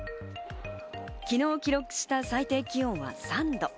昨日記録した最低気温は３度。